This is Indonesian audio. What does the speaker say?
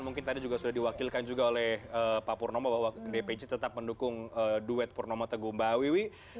mungkin tadi juga sudah diwakilkan juga oleh pak purnomo bahwa dpc tetap mendukung duet purnomo teguh mbak wiwi